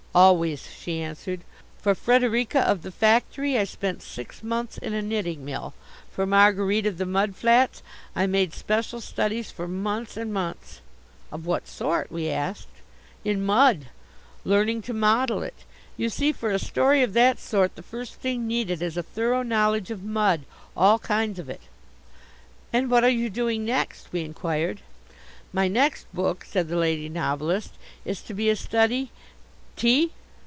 "Always," she answered. "For Frederica of the Factory I spent six months in a knitting mill. For Marguerite of the Mud Flats I made special studies for months and months." "Of what sort?" we asked. "In mud. Learning to model it. You see for a story of that sort the first thing needed is a thorough knowledge of mud all kinds of it." "And what are you doing next?" we inquired. "My next book," said the Lady Novelist, "is to be a study tea?